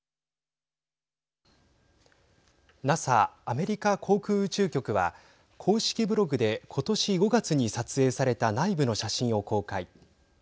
ＮＡＳＡ＝アメリカ航空宇宙局は公式ブログでことし５月に撮影された内部の写真を公開。